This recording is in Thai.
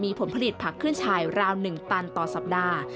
ผลผลิตผักขึ้นชายราว๑ตันต่อสัปดาห์